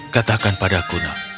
katakan pada aku nak